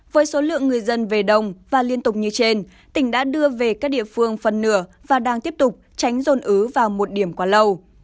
với số lượng người dân về đồng và liên tục như trên tỉnh đã đưa về các địa phương phần nửa và đang tiếp tục tránh rôn ứ vào một điểm quá lâu